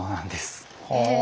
へえ。